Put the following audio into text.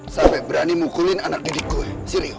sampai berani mukulin anak didik gue si rio